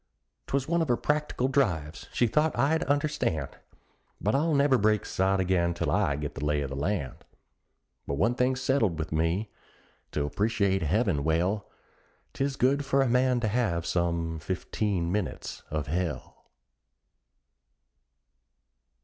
'Twas one of her practical drives she thought I'd understand! But I'll never break sod again till I get the lay of the land. But one thing's settled with me to appreciate heaven well, 'Tis good for a man to have some fifteen minutes of hell.